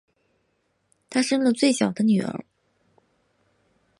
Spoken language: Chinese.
她生了最小的女儿